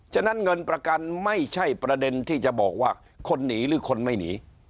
ฉะนั้นเงินประกันไม่ใช่ประเด็นที่จะบอกว่าคนหนีหรือคนไม่หนี